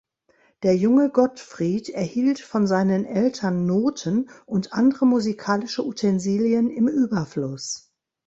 Der junge Gottfried erhielt von seinen Eltern Noten und andere musikalische Utensilien im Überfluss.